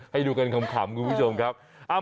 ให้ดูกันขำคุณผู้ชมครับ